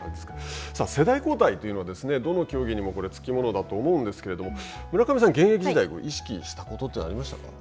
世代交代というのはどの競技にもつきものだと思うんですが村上さんは現役時代に意識したことはありましたか。